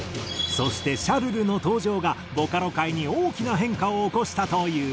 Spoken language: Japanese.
そして『シャルル』の登場がボカロ界に大きな変化を起こしたという。